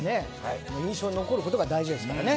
印象に残ることが大事ですからね。